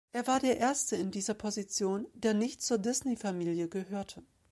Er war der Erste in dieser Position, der nicht zur Disney-Familie gehörte.